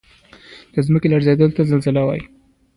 د ځمکې لړزیدو ته زلزله وایي